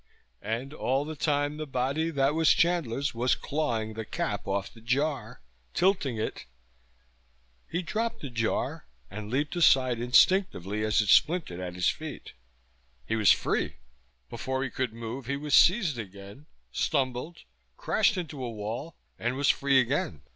And all the time the body that was Chandler's was clawing the cap off the jar, tilting it He dropped the jar, and leaped aside instinctively as it splintered at his feet. He was free! Before he could move he was seized again, stumbled, crashed into a wall And was free again.